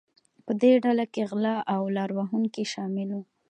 په دې ډله کې غلۀ او لاره وهونکي شامل وو.